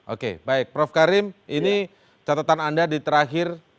oke baik prof karim ini catatan anda di terakhir